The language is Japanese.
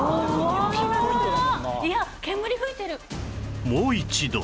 いや煙噴いてる！